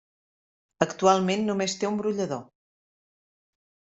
Actualment només té un brollador.